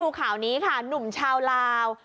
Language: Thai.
ข่าวนี้ค่ะหนุ่มชาวลาว